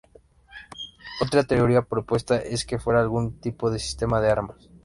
Otra teoría propuesta es que fuera algún tipo de sistema de armas.